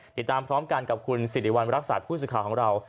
ติดตามพร้อมกันกับคุณศิริวัณรักษาผู้สุข่าวของเรา